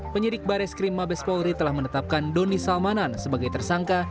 penyidik bares krim mabes polri telah menetapkan doni salmanan sebagai tersangka